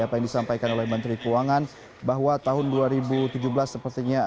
kebuddhian dan kemudahan yang begitu